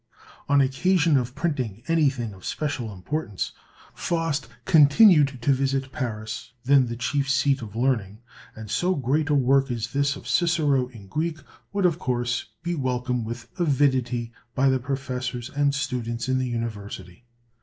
On occasion of printing anything of special importance, Faust continued to visit Paris, then the chief seat of learning; and so great a work as this of Cicero in Greek would of course be welcomed with avidity by the professors and students in the University.